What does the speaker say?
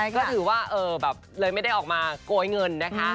ก็ถือว่าเลยไม่ได้ออกมาโกยเงินนะคะ